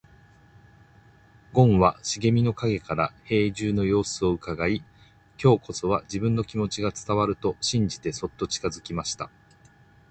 ごんは茂みの影から兵十の様子をうかがい、今日こそは自分の気持ちが伝わると信じてそっと近づきました。